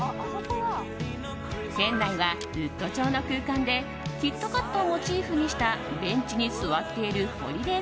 店内はウッド調の空間でキットカットをモチーフにしたベンチに座っているホリデイ